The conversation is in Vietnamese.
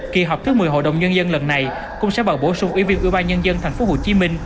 kỳ họp thứ một mươi hội đồng nhân dân lần này cũng sẽ bầu bổ sung ủy viên ủy ban nhân dân tp hcm